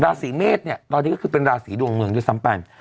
ราศีเมษเนี่ยตอนนี้ก็คือเป็นราศีดวงเมืองด้วยซ้ำไป